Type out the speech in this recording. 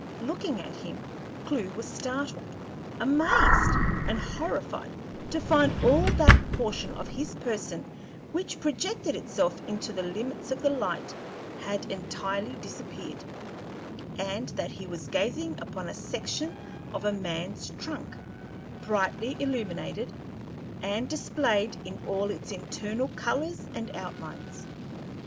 Looking at him, Clewe was startled, amazed, and horrified to find all that portion of his person which projected itself into the limits of the light had entirely disappeared, and that he was gazing upon a section of a man's trunk, brightly illuminated, and displayed in all its internal colors and outlines.